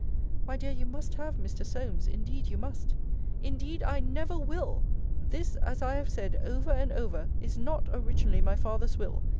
My dear, you must have Mr. Solmes: indeed you must. Indeed I never will! This, as I have said over and over, is not originally my father's will.